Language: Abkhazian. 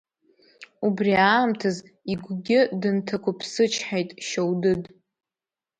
Убри аамҭаз игәгьы дынҭақәыԥсычҳаит Шьоудыд.